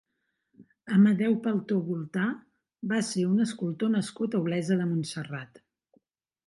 Amadeu Paltor Voltà va ser un escultor nascut a Olesa de Montserrat.